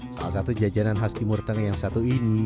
salah satu jajanan khas timur tengah yang satu ini